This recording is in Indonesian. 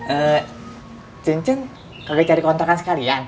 eh cen cen kagak cari kontakan sekalian